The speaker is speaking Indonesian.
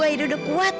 aida udah kuat